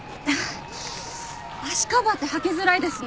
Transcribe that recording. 足カバーって履きづらいですね。